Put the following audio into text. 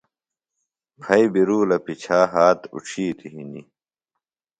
پھئیۡ بیۡ رُولہ پِچھا ہات اُڇِھیتیۡ ہنیۡ